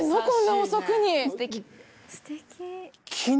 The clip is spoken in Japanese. こんな遅くに。